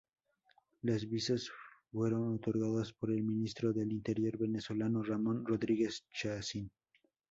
Las visas fueron otorgadas por el Ministro del Interior venezolano, Ramón Rodríguez Chacín.